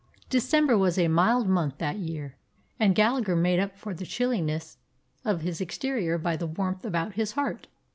December was a mild month that year, and Gallagher made up for the chilli ness of his exterior by the warmth about his heart.